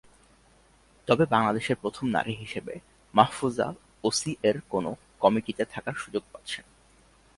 তবে বাংলাদেশের প্রথম নারী হিসেবে মাহফুজা ওসিএর কোনো কমিটিতে থাকার সুযোগ পাচ্ছেন।